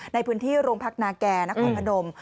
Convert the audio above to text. ในพื้นที่รวมพักหนาแก่ที่นครพนม